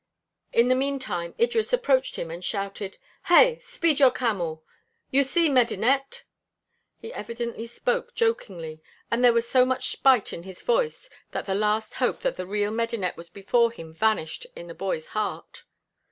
In the meantime Idris approached him and shouted: "Heigh! Speed your camel! You see Medinet!" He evidently spoke jokingly and there was so much spite in his voice that the last hope that the real Medinet was before him vanished in the boy's heart.